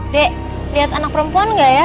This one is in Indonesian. dek lihat anak perempuan nggak ya